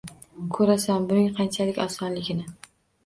Ko`rasan buning qanchalik osonligini